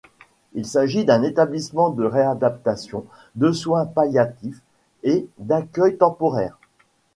Il s'agit d'un établissement de réadaptation, de soins palliatifs et d'accueil temporaire.